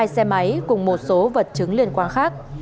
hai xe máy cùng một số vật chứng liên quan khác